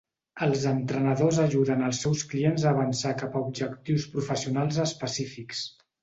Els entrenadors ajuden els seus clients a avançar cap a objectius professionals específics.